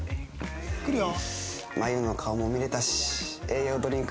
来るよ！